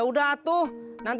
you're taking me